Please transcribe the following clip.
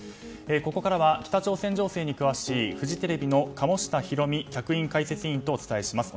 ここからは北朝鮮情勢に詳しいフジテレビの鴨下ひろみ客員解説委員とお伝えします。